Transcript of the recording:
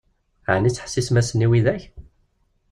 Ɛni tettḥessisem-asen i widak?